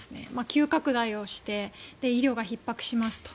急拡大をして医療がひっ迫しますと。